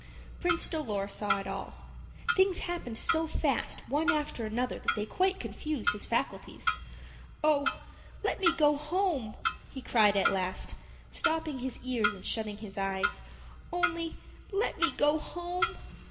Prince Dolor saw it all. Things happened so fast one after another that they quite confused his faculties. "Oh, let me go home," he cried at last, stopping his ears and shutting his eyes; "only let me go home!"